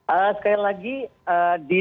apa yang ibu ketahui bu